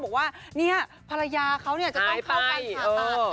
บอกว่านี่ภรรยาเขานะจะต้องเคากันผ่าตรัศน์นะฮะ